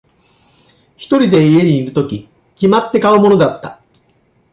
一人で家にいるとき、決まって買うものだった。